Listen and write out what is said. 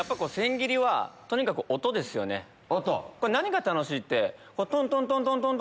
何が楽しいって。